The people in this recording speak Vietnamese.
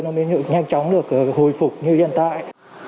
nó mới nhanh chóng được hồi phục như hiện tại